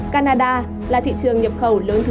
canada là thị trường nhập khẩu lớn thứ ba